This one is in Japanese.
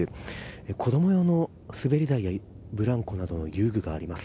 子供用の滑り台やブランコなどの遊具があります。